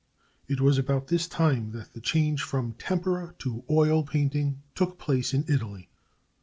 It was about this time that the change from tempera to oil painting took place in Italy.